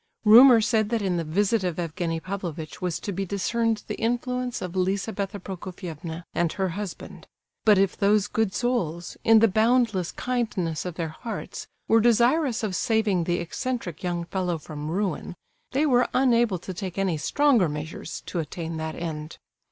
Rumour said that in the visit of Evgenie Pavlovitch was to be discerned the influence of Lizabetha Prokofievna and her husband... But if those good souls, in the boundless kindness of their hearts, were desirous of saving the eccentric young fellow from ruin, they were unable to take any stronger measures to attain that end.